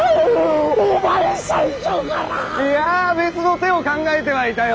いやぁ別の手を考えてはいたよ。